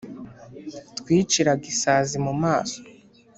Twiciraga isazi mu maso